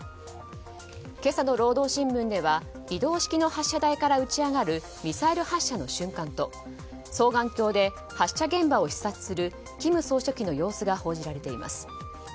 今朝の労働新聞では移動式の発射台から打ち上がるミサイル発射の瞬間と双眼鏡で発射現場を視察する金総書記の様子が報じられています。